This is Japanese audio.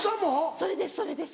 それですそれです